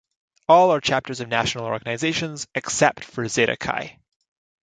All are chapters of national organizations, except for Zeta Chi.